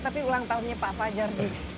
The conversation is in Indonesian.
tapi ulang tahunnya pak fajar